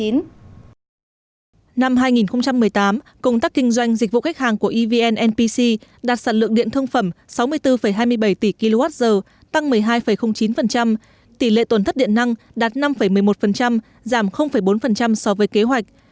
năm hai nghìn một mươi tám công tác kinh doanh dịch vụ khách hàng của evn npc đạt sản lượng điện thương phẩm sáu mươi bốn hai mươi bảy tỷ kwh tăng một mươi hai chín tỷ lệ tổn thất điện năng đạt năm một mươi một giảm bốn so với kế hoạch